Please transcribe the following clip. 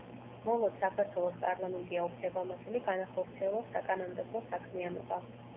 მოლოდ საქართველოს პარლამენტია უფლებამოსილი, განახორციელოს საკანონმდებლო საქმიანობა.